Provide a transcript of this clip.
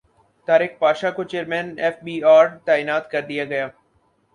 طارق پاشا کو chairman F B R تعینات کردیاگیا